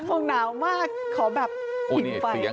คงหนาวมากขอแบบอุ่นไฟ